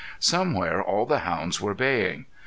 Somewhere all the hounds were baying.